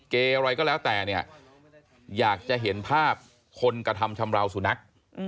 เกอะไรก็แล้วแต่เนี่ยอยากจะเห็นภาพคนกระทำชำราวสุนัข